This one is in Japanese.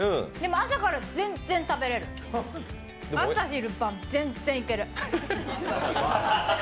朝から全然食べれる朝昼晩、全っ然行ける。